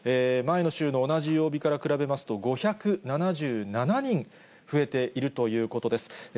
前の週の同じ曜日から比べますと、５７７人増えているということです。